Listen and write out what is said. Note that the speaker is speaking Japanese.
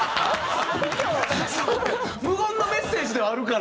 無言のメッセージではあるから。